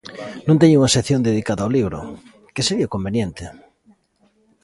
Non teñen unha sección dedicada ao libro, que sería o conveniente.